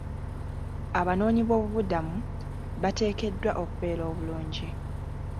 Abanoonyi b'obubuddamu bateekeddwa okubeera obulungi.